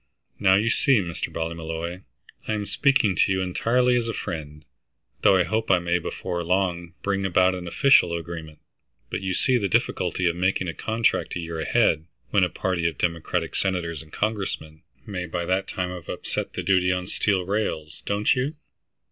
Now you see, Mr. Ballymolloy, I am speaking to you entirely as a friend, though I hope I may before long bring about an official agreement. But you see the difficulty of making a contract a year ahead, when a party of Democratic senators and Congressmen may by that time have upset the duty on steel rails, don't you?"